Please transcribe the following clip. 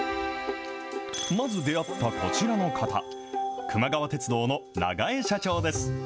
まず出会ったこちらの方、くま川鉄道の永江社長です。